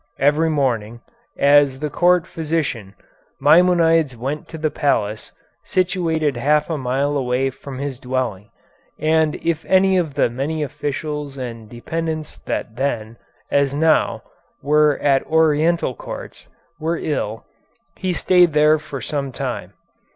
Every morning, as the Court physician, Maimonides went to the palace, situated half a mile away from his dwelling, and if any of the many officials and dependents that then, as now, were at Oriental courts, were ill, he stayed there for some time.